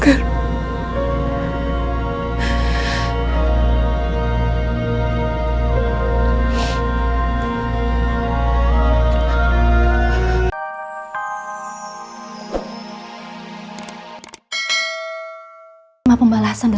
apa yang mesti aku lakukan